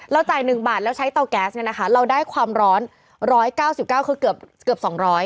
จ่าย๑บาทแล้วใช้เตาแก๊สเนี่ยนะคะเราได้ความร้อน๑๙๙คือเกือบ๒๐๐